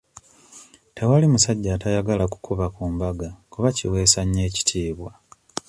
Tewali musajja atayagala kukuba ku mbaga kuba kiweesa nnyo ekitiibwa.